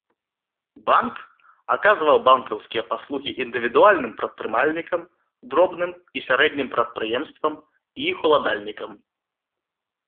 Банк аказваў банкаўскія паслугі індывідуальным прадпрымальнікам, дробным і сярэднім прадпрыемствам і іх уладальнікам.